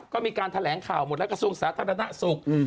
ก็มีการแถลงข่าวหมดแล้วกระทรวงสาธารณสุข